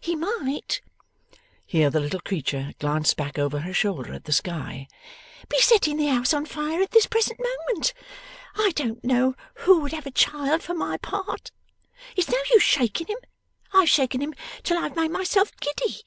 He might' here the little creature glanced back over her shoulder at the sky 'be setting the house on fire at this present moment. I don't know who would have a child, for my part! It's no use shaking him. I have shaken him till I have made myself giddy.